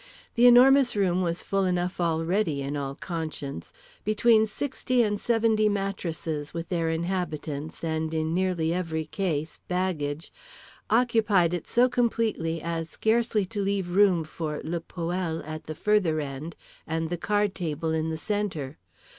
The Enormous Room was full enough already, in all conscience. Between sixty and seventy mattresses, with their inhabitants and, in nearly every case, baggage, occupied it so completely as scarcely to leave room for le poêle at the further end and the card table in the centre.